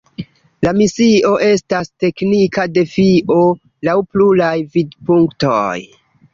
La misio estas teknika defio laŭ pluraj vidpunktoj.